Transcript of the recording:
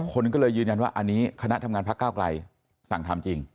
คนก็เลยยืนยันว่าอันนี้คณะทำงานพักเก้าไกลสั่งทำจริง